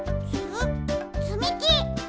つみき！